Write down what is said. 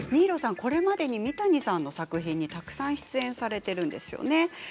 これまで三谷幸喜さんの作品にたくさん出演されているんですね。